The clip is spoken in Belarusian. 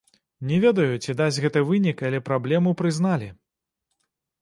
Не ведаю, ці дасць гэта вынік, але праблему прызналі.